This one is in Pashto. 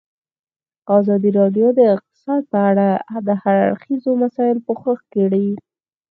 ازادي راډیو د اقتصاد په اړه د هر اړخیزو مسایلو پوښښ کړی.